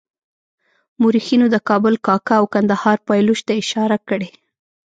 مورخینو د کابل کاکه او کندهار پایلوچ ته اشاره کړې.